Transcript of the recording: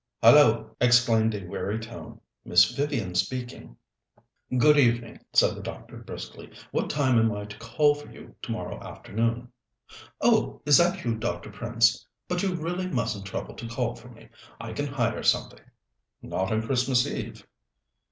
"Hallo!" exclaimed a weary tone. "Miss Vivian speaking." "Good evening," said the doctor briskly. "What time am I to call for you tomorrow afternoon?" "Oh, is that you, Dr. Prince? But you really mustn't trouble to call for me; I can hire something." "Not on Christmas Eve."